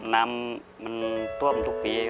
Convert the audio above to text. น้ำมันท่วมทุกปี